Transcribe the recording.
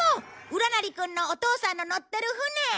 うらなりくんのお父さんの乗ってる船へ！